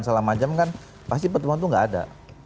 selama jam kan pasti pertemuan itu nggak ada